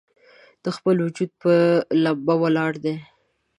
د خپل وجود پۀ ، لمبه ولاړ دی